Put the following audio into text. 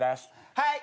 はい！